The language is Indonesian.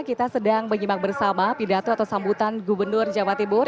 kita sedang menyimak bersama pidato atau sambutan gubernur jawa timur